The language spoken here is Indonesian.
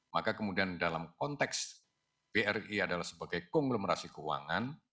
maka kemudian dalam konteks bri adalah sebagai konglomerasi keuangan